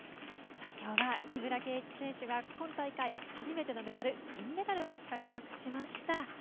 きょうは木村敬一選手が今大会初めてのメダル銀メダルを獲得しました。